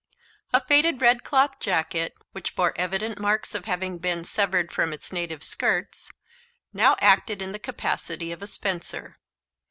A faded red cloth jacket, which bore evident marks of having been severed from its native skirts, now acted in the capacity of a spencer.